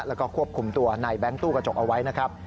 แล้วก็ควบคุมตัวในแบงค์ตู้กระจกเอาไว้นะครับ